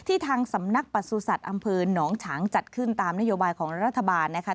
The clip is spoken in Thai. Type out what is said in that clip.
ทางสำนักประสุทธิ์อำเภอหนองฉางจัดขึ้นตามนโยบายของรัฐบาลนะคะ